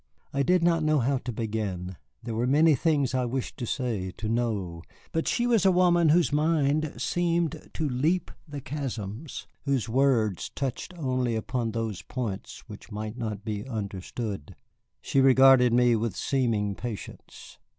I did not know how to begin. There were many things I wished to say, to know, but she was a woman whose mind seemed to leap the chasms, whose words touched only upon those points which might not be understood. She regarded me with seeming patience.